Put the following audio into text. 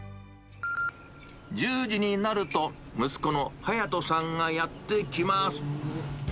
１０時になると、息子の隼人さんがやって来ます。